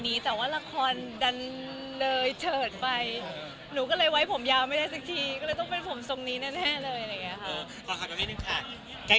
เคียงงานเราไม่ได้แบบงานยาวเลย